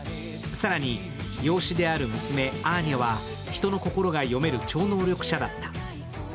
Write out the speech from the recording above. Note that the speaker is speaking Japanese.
更に、養子である娘、アーニャは人の心が読める超能力者だった。